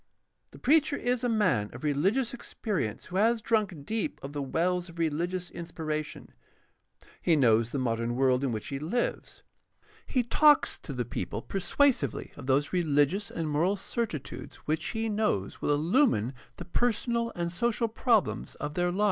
The preacher is a man of reHgious experi ence who has drunk deep of the wells of religious inspiration; he knows the modern world in which he lives ; he talks to the people persuasively of those religious and moral certitudes which he knows will illumine the personal and social prob lems of their lives.